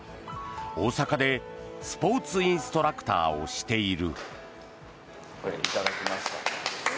大阪でスポーツインストラクターをしている。